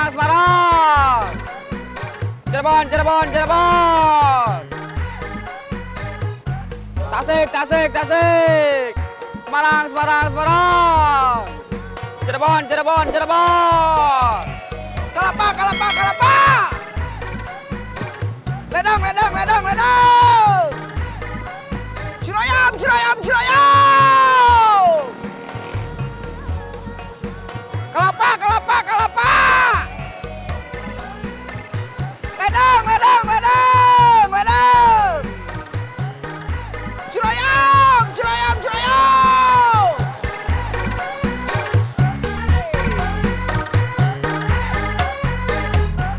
semarang semarang semarang